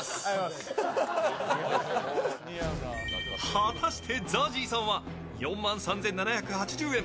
果たしてＺＡＺＹさんは４万３７８０円